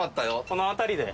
この辺りで。